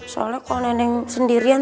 soalnya kalo nenek sendirian